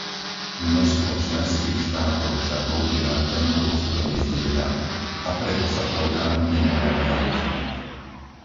Množstvo členských štátov však, bohužiaľ, tento postoj nezdieľa, a preto sa program nemohol realizovať.